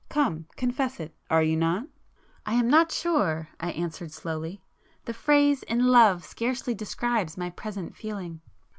—come confess it! are you not?" [p 164]"I am not sure;"—I answered slowly—"The phrase 'in love' scarcely describes my present feeling...."